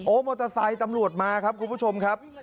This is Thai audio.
มอเตอร์ไซค์ตำรวจมาครับคุณผู้ชมครับ